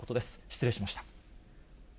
失礼しました。